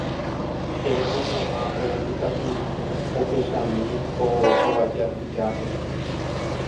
che aimo'ã oútakuri ohechami ko hovaja tujápe.